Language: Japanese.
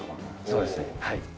そうですねはい。